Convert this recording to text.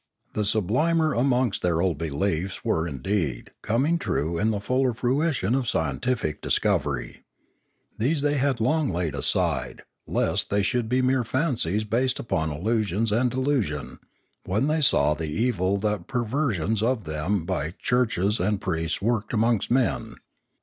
The sublimer amongst their old beliefs were, indeed, coming true in the fuller fruition of scientific discovery. These they had long laid aside, lest they should be mere fancies based upon illusion and delusion, when they saw the evil that the perversions of them by churches and priests worked amongst men.